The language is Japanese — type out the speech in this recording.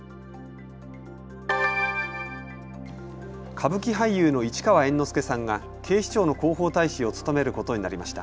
歌舞伎俳優の市川猿之助さんが警視庁の広報大使を務めることになりました。